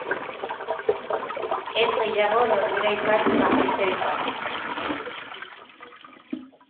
Ez gehiago norbera izan, bakoitza izan.